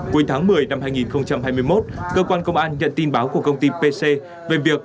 cuối tháng một mươi năm hai nghìn hai mươi một cơ quan công an nhận tin báo của công ty pc về việc